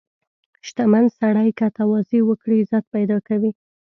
• شتمن سړی که تواضع وکړي، عزت پیدا کوي.